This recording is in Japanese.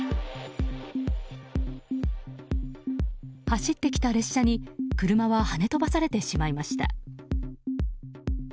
走ってきた列車に車は跳ね飛ばされてしまいました。